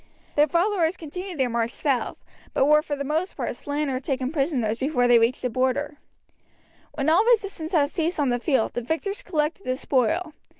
Their followers continued their march south, but were for the most part slain or taken prisoners before they reached the Border. When all resistance had ceased on the field the victors collected the spoil.